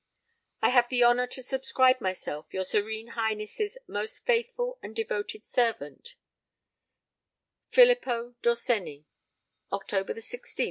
"I have the honour to subscribe myself your Serene Highness's most faithful and devoted servant, "FILIPPO DORSENNI.